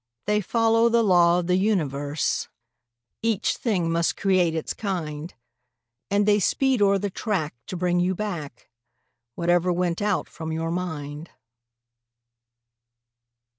They follow the law of the universe— Each thing must create its kind; And they speed o'er the track to bring you back Whatever went out from your mind.